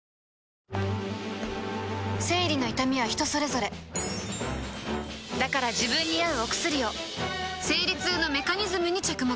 生理の痛みは人それぞれだから自分に合うお薬を生理痛のメカニズムに着目